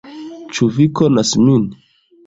Ĉu vi konas min?